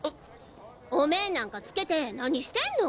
お面なんかつけて何してんの？